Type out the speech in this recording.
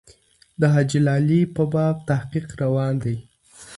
د حاجي لالي په باب تحقیق روان دی.